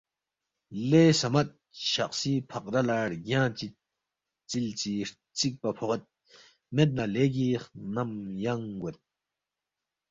لے صمد چھقسی فقرہ لا ڑگیانگ چی ژلژی ہرژیک پا فوغیدمید نہ لیگی خنم ینگ گوید۔